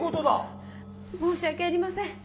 申し訳ありません。